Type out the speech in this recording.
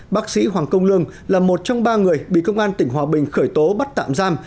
bác sĩ hoàng công lương là một trong ba người bị công an tỉnh hòa bình khởi tố bắt tạm giam